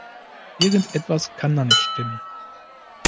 Irgendetwas kann da nicht stimmen.